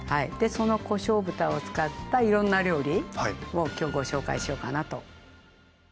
そのこしょう豚を使ったいろんな料理を今日ご紹介しようかなと。